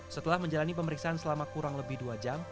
setelah menjalani pemeriksaan selama kurang lebih dua jam